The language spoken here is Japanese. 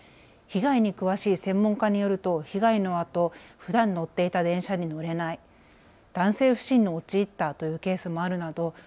被害に詳しい専門家によると、被害のとあとふだん乗っていた電車に乗れない、男性不信に陥ったというケースもあるなど